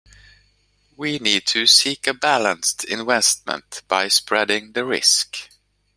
We need to seek a balanced investment by spreading the risk.